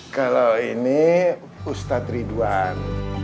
kalau ini ustad ridwan